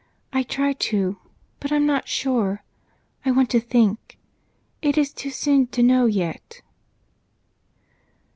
I try to, but I'm not sure I want to think it is too soon to know yet."